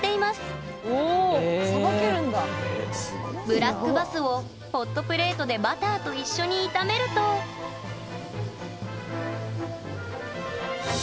ブラックバスをホットプレートでバターと一緒に炒めるとの完成！